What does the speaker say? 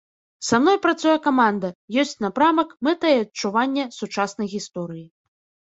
Са мной працуе каманда, ёсць напрамак, мэта і адчуванне сучаснай гісторыі.